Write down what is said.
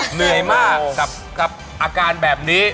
เหนื่อยมากกับอาการแบบนี้